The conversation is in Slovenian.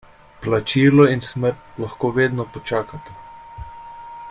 Plačilo in smrt lahko vedno počakata.